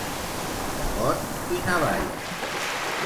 De got i navalla.